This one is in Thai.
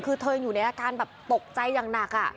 คือเธอยังอยู่ในอาการแบบตกใจอย่างหนัก